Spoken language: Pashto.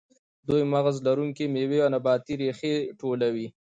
دوی مغز لرونکې میوې او نباتي ریښې ټولولې.